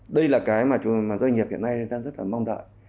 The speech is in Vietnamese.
đây là cái mà doanh nghiệp hiện nay đang rất là mong đợi